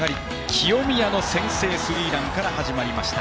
清宮の先制スリーランから始まりました。